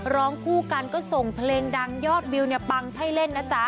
ร้องคู่กันก็ส่งเพลงดังยอดวิวเนี่ยปังใช่เล่นนะจ๊ะ